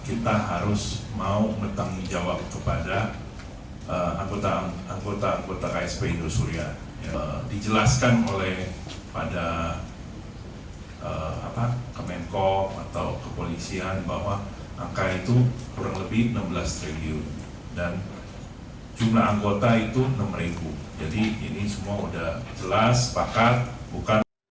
ia juga menyebut total dana ksp indosurya yang belum dibayarkan jauh